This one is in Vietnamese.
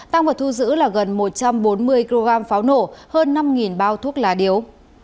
tăng vật thu giữ là gần một trăm bốn mươi kg pháo nổ hơn năm bao thuốc lá điếu